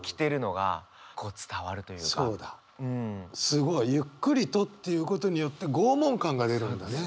すごい「ゆっくりと」って言うことによって拷問感が出るんだね。